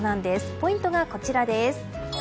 ポイントがこちらです。